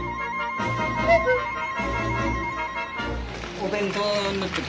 お弁当。